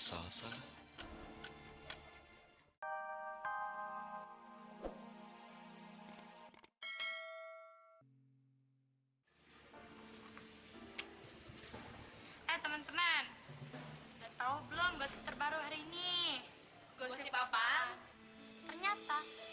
sampai jumpa di video selanjutnya